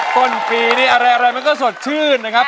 ต้นปีนี่อะไรมันก็สดชื่นนะครับ